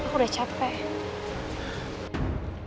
aku udah capek